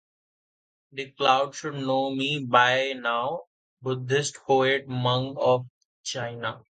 The clouds should know me by now: Buddhist poet monks of China.